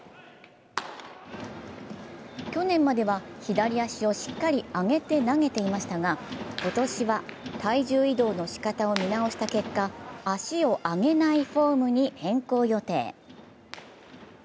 去年までは左足をしっかり上げて投げていましたが今年は体重移動のしかたを見直した結果、足を上げないフォームに変更予定。